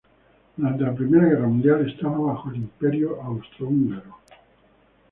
Durante la primera guerra mundial estaba bajo el Imperio austrohúngaro.